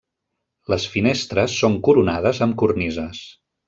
Les finestres són coronades amb cornises.